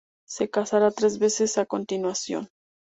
Se casará tres veces a continuación.